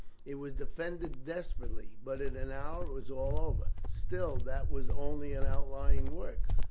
It was defended desperately, but in an hour it was all over. Still, that was only an outlying work.